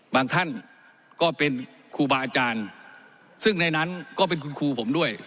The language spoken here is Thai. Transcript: ท่านก็เป็นครูบาอาจารย์ซึ่งในนั้นก็เป็นคุณครูผมด้วย